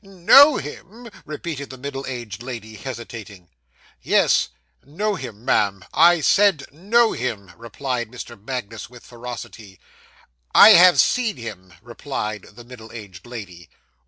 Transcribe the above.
'Know him!' repeated the middle aged lady, hesitating. 'Yes, know him, ma'am; I said know him,' replied Mr. Magnus, with ferocity. 'I have seen him,' replied the middle aged lady.